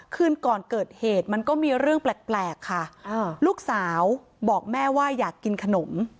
คืนก่อนเกิดเหตุมันก็มีเรื่องแปลกค่ะลูกสาวบอกแม่ว่าอยากกินขนม